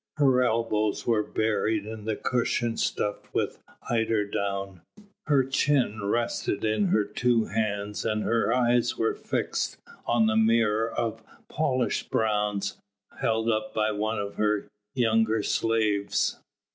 Her elbows were buried in a cushion stuffed with eiderdown, her chin rested in her two hands and her eyes were fixed on a mirror of polished bronze held up by one of her younger slaves.